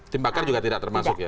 tim bakar juga tidak termasuk ya